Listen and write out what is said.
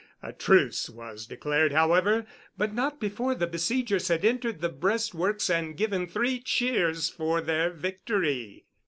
A truce was declared, however, but not before the besiegers had entered the breastworks and given three cheers for their victory.